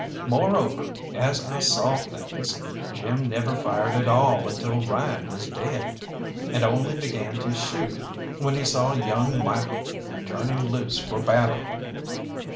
Moreover, as I saw things, Jim never fired at all until Ryan was dead, and only began to shoot when he saw young Michael turning loose for battle.